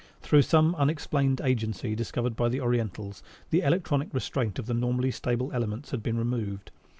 Through some unexplained agency discovered by the Orientals, the electronic restraint of the normally stable elements had been removed.